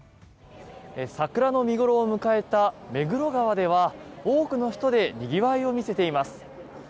桜の見頃を迎えた目黒川では多くの人でにぎわいを見せています。